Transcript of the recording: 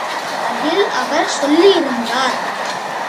அதில் அவர் சொல்லியிருந்தார்.